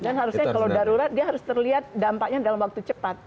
dan harusnya kalau darurat dia harus terlihat dampaknya dalam waktu cepat